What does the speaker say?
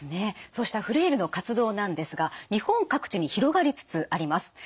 そうしたフレイルの活動なんですが日本各地に広がりつつあります。